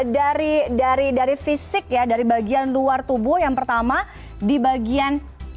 dari fisik ya dari bagian luar tubuh yang pertama di bagian